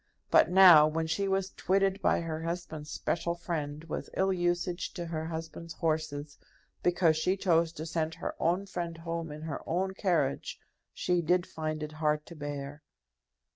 But now, when she was twitted by her husband's special friend with ill usage to her husband's horses, because she chose to send her own friend home in her own carriage, she did find it hard to bear.